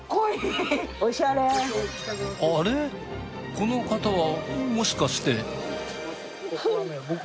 この方はもしかして。